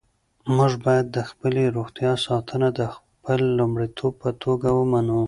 موږ باید د خپلې روغتیا ساتنه د خپل لومړیتوب په توګه ومنو.